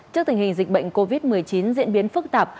trước tình hình dịch bệnh covid một mươi chín diễn biến phức tạp